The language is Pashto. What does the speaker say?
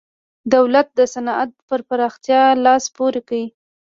دولت د صنعت پر پراختیا لاس پورې کړ.